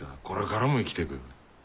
これからも生きてく。